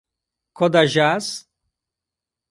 Codajás